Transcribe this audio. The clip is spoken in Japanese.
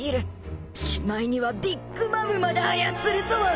しまいにはビッグ・マムまで操るとは！